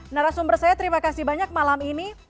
narasumber saya terima kasih banyak malam ini